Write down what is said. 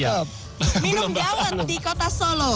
minum dawet di kota solo